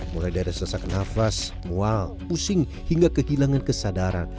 mulai dari sesak nafas mual pusing hingga kehilangan kesadaran